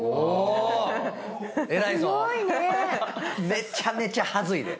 めちゃめちゃ恥ずいで。